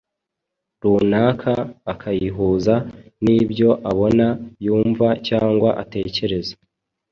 runaka akayihuza n’ibyo abona, yumva cyangwa atekereza